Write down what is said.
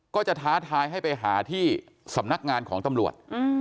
ก็จะท้าทายให้ไปหาที่สำนักงานของตำรวจ